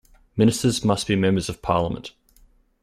Ministers must be members of parliament.